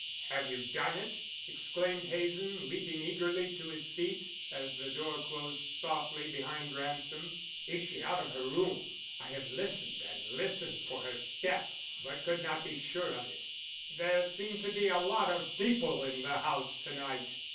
"Have you done it?" exclaimed Hazen, leaping eagerly to his feet as the door closed softly behind Ransom. "Is she out of her room? I have listened and listened for her step, but could not be sure of it. There seem to be a lot of people in the house to night."